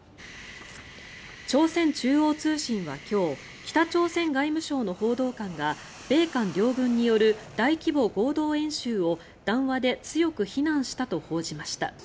朝鮮中央通信は今日北朝鮮外務省の報道官が米韓両軍による大規模合同演習を談話で強く非難したと報じました。